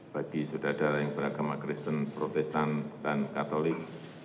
bagi saudara saudara yang beragama kristen protestan dan katolik